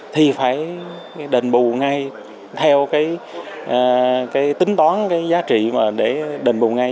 thì phải đền bù ngay theo cái tính toán cái giá trị mà để đền bù ngay